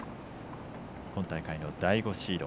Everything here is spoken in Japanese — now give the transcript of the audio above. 今大会の第５シード。